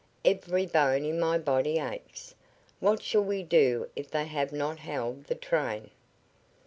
"Every bone in my body aches. What shall we do if they have not held the train?"